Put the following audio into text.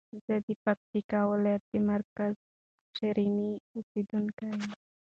زه د پکتیکا ولایت د مرکز شرنی اوسیدونکی یم.